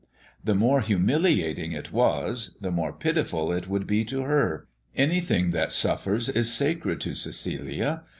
The more humiliating it was, the more pitiful it would be to her. Anything that suffers is sacred to Cecilia.